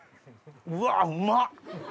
うわうまっ。